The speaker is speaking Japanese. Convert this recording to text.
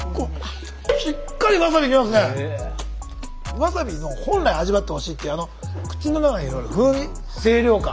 ワサビの本来味わってほしいっていうあの口の中にいわゆる風味清涼感。